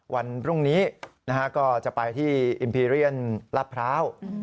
วันพรุ่งนี้ก็จะไปที่อิมพีเรียนลาดพร้าว